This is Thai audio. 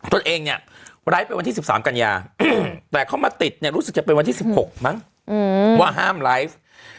ตัวเองเนี่ยไลฟ์ไปวันที่๑๓กันยาแต่เขามาติดเนี่ยรู้สึกจะเป็นวันที่๑๖มั้งว่าห้ามไลฟ์